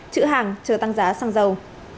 chữ hàng chờ tăng giá xăng dầu